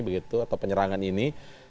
atau penyerangan ini